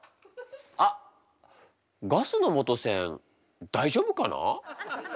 あっガスの元栓大丈夫かな？